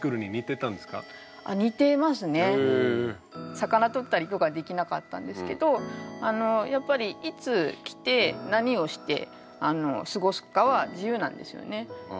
魚とったりとかできなかったんですけどあのやっぱりいつ来て何をしてあの過ごすかは自由なんですよね。